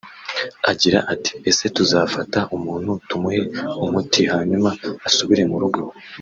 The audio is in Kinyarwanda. Agira ati “…ese tuzafata umuntu tumuhe umuti hanyuma asubire mu rugo